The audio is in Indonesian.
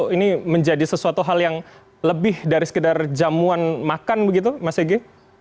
ini menjadi sesuatu hal yang lebih dari sekedar jamuan makan begitu mas ege